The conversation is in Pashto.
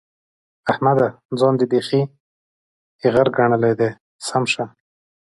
احمده! ځان دې بېخي ايغر ګڼلی دی؛ سم شه.